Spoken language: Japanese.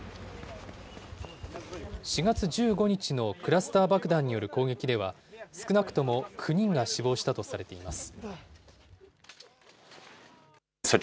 ４月１５日のクラスター爆弾による攻撃では、少なくとも９人が死亡したとされています。